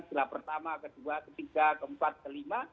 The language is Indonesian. gelap pertama kedua ketiga keempat kelima